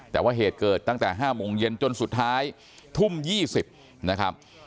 แต่ว่าเหตุเกิดตั้งแต่๕โมงเย็นจนสุดท้ายทุ่ม๒๐นะครับ